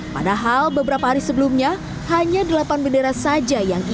padahal beberapa hari sebelumnya hanya delapan bendera saja yang ditemukan